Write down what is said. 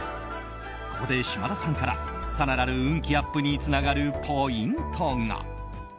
ここで島田さんから、更なる運気アップにつながるポイントが。